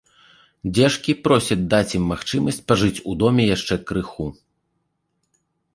Дзешкі просяць даць ім магчымасць пажыць у доме яшчэ крыху.